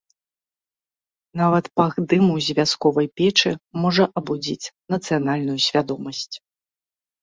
Нават пах дыму з вясковай печы можа абудзіць нацыянальную свядомасць.